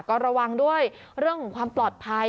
ก็ระวังด้วยเรื่องของความปลอดภัย